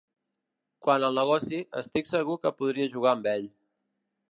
Quant al negoci, estic segur que podria jugar amb ell.